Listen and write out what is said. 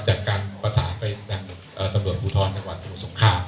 จากการปรัสสาหกไปแบ่งตำรวจภูทรจากว่าส่วนสงคราม